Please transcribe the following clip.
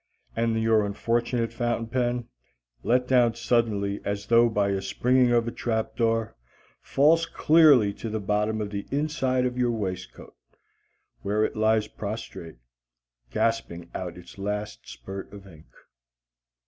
And your unfortunate fountain pen, let down suddenly as though by the springing of a trapdoor, falls clear to the bottom of the inside of your waist coat, where it lies prostrate, gasping out its last spurt of ink.